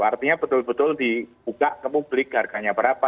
artinya betul betul dibuka ke publik harganya berapa